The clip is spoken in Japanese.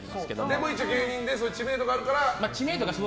でも一応芸人で知名度があるから。